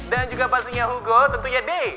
dan juga pastinya hugo tentunya di